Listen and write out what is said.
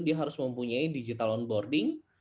dia harus mempunyai digital onboarding